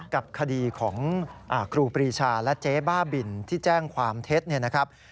กับคดีของครูปรีชาและเจ๊บ้าบิลที่แจ้งความเท็จ